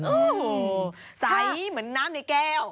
โอ้โหใสเหมือนน้ำในแก้ว